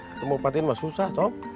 ketemu patin mah susah dong